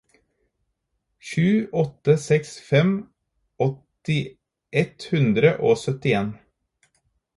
sju åtte seks fem åtti ett hundre og syttien